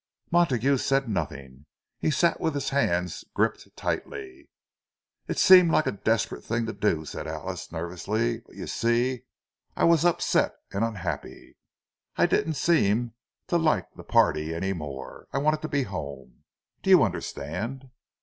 Montague said nothing; he sat with his hands gripped tightly. "It seemed like a desperate thing to do," said Alice, nervously. "But you see, I was upset and unhappy. I didn't seem to like the party any more—I wanted to be home. Do you understand?"